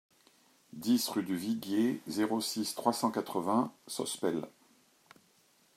dix rue du Viguier, zéro six, trois cent quatre-vingts Sospel